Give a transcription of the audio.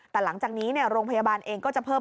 แต่หลังจากนี้โรงพยาบาลเองก็จะเพิ่ม